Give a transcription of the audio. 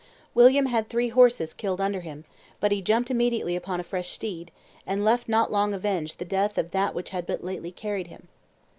William had three horses killed under him; "but he jumped immediately upon a fresh steed, and left not long unavenged the death of that which had but lately carried him."